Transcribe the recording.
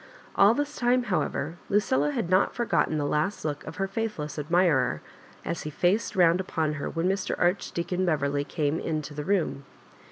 AH this tune, however, Lucilla had not forgotten the last look of her faithless admirer as he faced round upon her when Mr. Archdeacon Beverley came into the room.